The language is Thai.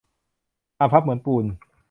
อาภัพเหมือนปูน